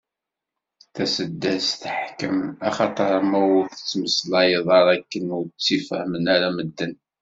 Taseddast teḥkem, axaṭer ma ur tettmeslayeḍ ara akken ur tt-fehmen ara medden.